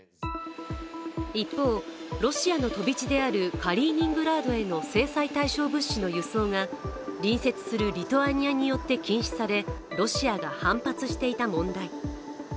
一方、ロシアの飛び地であるカリーニングラードへの制裁対象物資の輸送が隣接するリトアニアによって禁止され、ロシアが反発していた問題。